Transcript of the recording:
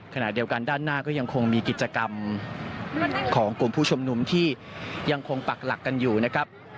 ขณะเดียวกันด้านหน้าก็ยังคงมีกิจกรรมของกลุ่มผู้ชุมนุมที่ยังคงปักหลักกันอยู่นะครับ